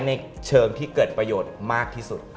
ในเชิงที่เกิดประโยชน์มากที่สุด